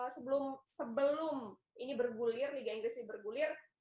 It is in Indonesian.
sebelum ini bergulir liga inggris ini bergulir